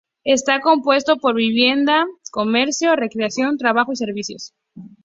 Está compuesto por vivienda, comercio, recreación, trabajo y servicios.